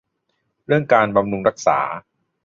เรื่องการบำรุงรักษา